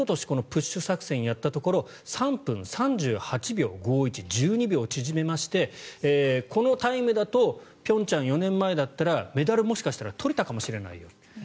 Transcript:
このプッシュ作戦をやったところ３分３８秒５１１２秒縮めましてこのタイムだと平昌、４年前だったらメダル、もしかしたら取れたかもしれないと。